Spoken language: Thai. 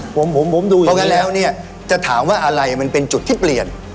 ผมผมผมดูอย่างเงี้ยเพราะงั้นแล้วเนี้ยจะถามว่าอะไรมันเป็นจุดที่เปลี่ยน